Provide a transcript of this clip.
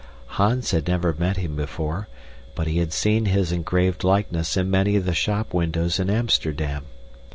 Hans had never met him before, but he had seen his engraved likeness in many of the shop windows in Amsterdam.